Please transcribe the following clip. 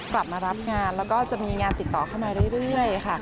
กลับมารับงานแล้วก็จะมีงานติดต่อเข้ามาเรื่อยค่ะ